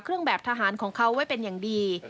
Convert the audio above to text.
เครื่องแบบทหารของเขาไว้เป็นอย่างดี